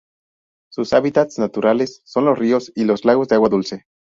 Sus hábitats naturales son los ríos y los lagos de agua dulce.